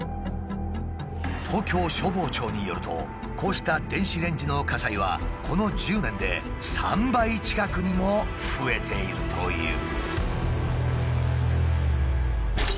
東京消防庁によるとこうした電子レンジの火災はこの１０年で３倍近くにも増えているという。